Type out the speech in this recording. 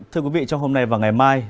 thưa quý vị trong hôm nay và ngày mai